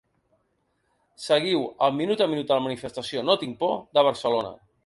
Seguiu: El minut a minut de la manifestació ‘No tinc por’ de Barcelona’